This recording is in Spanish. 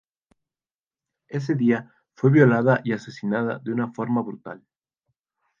Ese día fue violada y asesinada de una forma brutal.